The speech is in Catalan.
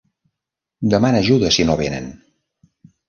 Demana ajuda si no venen.